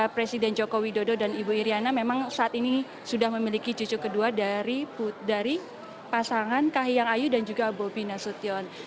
presiden joko widodo dan ibu iryana memang saat ini sudah memiliki cucu kedua dari pasangan kahiyang ayu dan juga bobi nasution